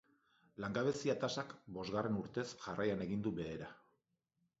Langabezia tasak bosgarren urtez jarraian egin du behera.